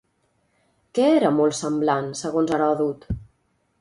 Què era molt semblant, segons Heròdot?